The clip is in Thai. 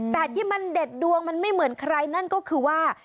แต่ที่มันเด็ดดวงมันไม่เหมือนใครนั่นก็คือว่า